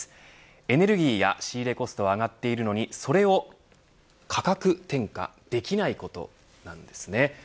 エネルギーや仕入れコストは上がっているのに、それを価格転嫁できないことなんですね。